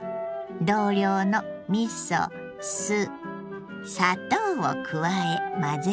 同量のみそ酢砂糖を加え混ぜるだけ。